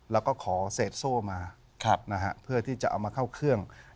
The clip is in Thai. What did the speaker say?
แล้วก็ขอเศษโซ่มาเพื่อที่จะเอามาเข้าเครื่อง